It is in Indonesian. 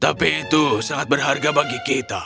tapi itu sangat berharga bagi kita